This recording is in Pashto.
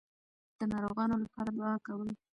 د ناروغانو لپاره دعا کوئ.